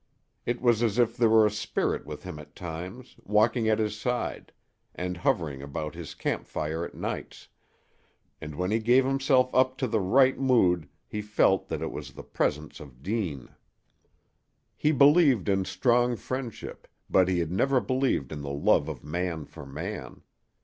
It was as if there were a spirit with him at times, walking at his side, and hovering about his campfire at nights, and when he gave himself up to the right mood he felt that it was the presence of Deane. He believed in strong friendship, but he had never believed in the love of man for man.